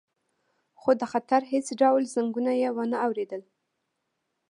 خو د خطر هیڅ ډول زنګونه یې ونه اوریدل